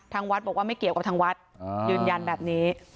ทางวัดบอกว่าไม่เกี่ยวกับทางวัดยืนยันแบบนี้